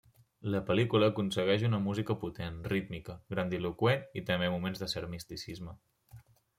La pel·lícula aconsegueix una música potent, rítmica, grandiloqüent i també moments de cert misticisme.